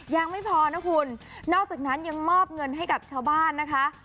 ยังไม่พอนะคุณนอกจากนั้นยังมอบเงินให้กับชาวบ้านนะคะ